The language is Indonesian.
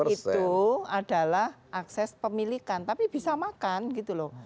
itu adalah akses pemilikan tapi bisa makan gitu loh